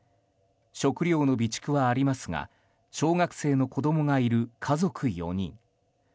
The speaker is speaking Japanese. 食料の備蓄はありますが小学生の子供がいる家族４人。